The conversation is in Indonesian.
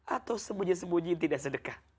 atau sembunyi sembunyi yang tidak sedekah